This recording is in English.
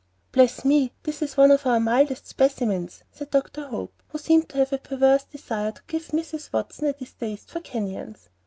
"Bless me! this is one of our mildest specimens," said Dr. Hope, who seemed to have a perverse desire to give Mrs. Watson a distaste for canyons.